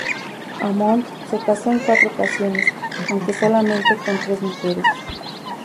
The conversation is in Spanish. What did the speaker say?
Aumont se casó en cuatro ocasiones, aunque solamente con tres mujeres.